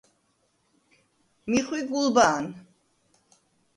მი ხვი გულბა̄ნ.